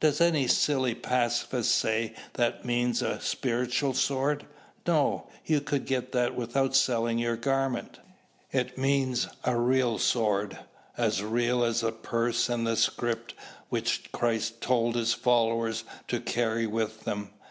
Does any silly pacifist say that means a spiritual sword? No. You could get that without selling your garment. It means a real sword, as real as the purse and the scrip which Christ told His followers to carry with them.